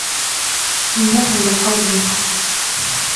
إنه لقول فصل